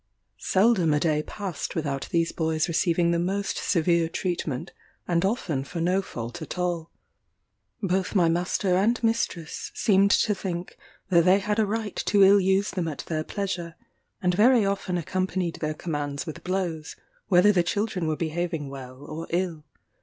Seldom a day passed without these boys receiving the most severe treatment, and often for no fault at all. Both my master and mistress seemed to think that they had a right to ill use them at their pleasure; and very often accompanied their commands with blows, whether the children were behaving well or ill.